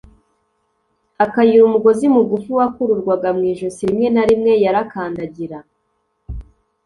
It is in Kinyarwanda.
akayira. umugozi mugufi wakururwaga mu ijosi. rimwe na rimwe yarakandagira